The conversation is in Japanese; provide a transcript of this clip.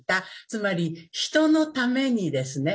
つまり人のためにですね